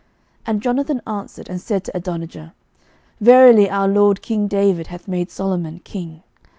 11:001:043 And Jonathan answered and said to Adonijah, Verily our lord king David hath made Solomon king.